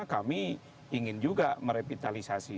kami ingin juga merepitalisasi